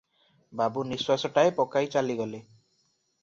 ବାବୁ ନିଶ୍ୱାସଟାଏ ପକାଇ ଚାଲିଗଲେ ।